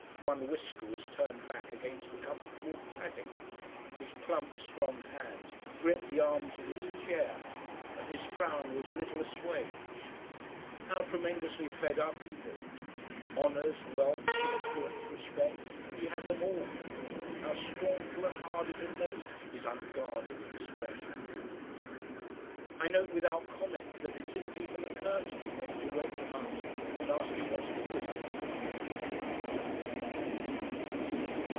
One whisker was turned back against the comfortable padding. His plump strong hands gripped the arms of his chair, and his frown was a little assuaged. How tremendously fed up he looked! Honours, wealth, influence, respect, he had them all. How scornful and hard it had made his unguarded expression! I note without comment that it didn't even occur to me then to wake him up and ask him what HE was up to with mankind.